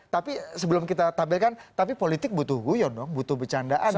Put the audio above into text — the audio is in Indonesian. tapi sebelum kita tampilkan tapi politik butuh guyon dong butuh bercandaan dong